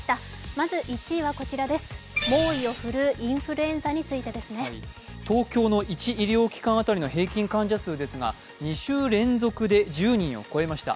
まず１位は猛威を振るうインフルエンザについてですね。東京の１医療機関当たりの平均患者数ですが２週連続で１０人を超えました。